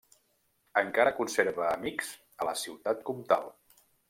Encara conserva amics a la ciutat comtal.